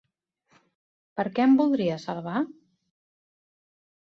Per què em voldries salvar?